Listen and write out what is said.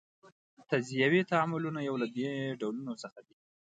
تجزیوي تعاملونه یو له دې ډولونو څخه دي.